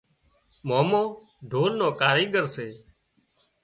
مامو ڍول نو ڪاريڳر سي